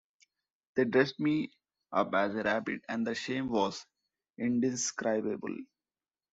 They dressed me up as a rabbit, and the shame was indescribable.